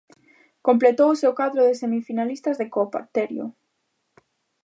Completouse o cadro de semifinalistas de Copa, Terio.